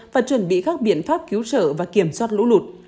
và chuẩn bị các biện pháp cứu sở và kiểm soát lũ lụt